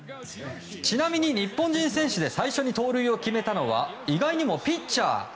ちなみに、日本人選手で最初に盗塁を決めたのは意外にもピッチャー。